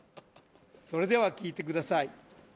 それでは聴いてください。